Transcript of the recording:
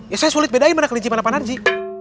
ya saya sulit bedain mana kelinci mana panarji